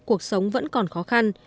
cuộc sống vẫn còn khó khăn